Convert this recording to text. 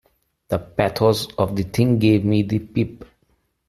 The pathos of the thing gave me the pip.